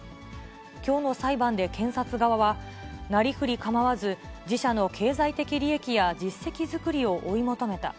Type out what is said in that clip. きょうの裁判で検察側は、なりふり構わず、自社の経済的利益や実績作りを追い求めた。